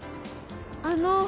あの